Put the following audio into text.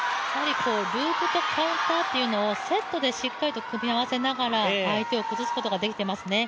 ループとカウンターというのをセットでしっかりと組み合わせながら相手を崩すことができていますね。